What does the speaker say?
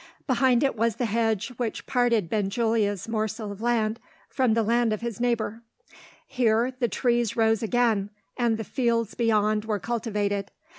Behind it was the hedge which parted Benjulia's morsel of land from the land of his neighbour. Here, the trees rose again, and the fields beyond were cultivated.